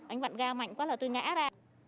anh vặn ga mạnh quá là tôi ngã ra